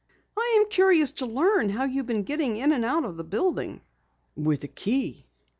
"I'm curious to learn how you've been getting in and out of the building." "With a key."